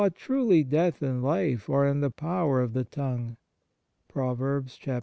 truly death and life are in the power of the tongue " (Prov. xviii.).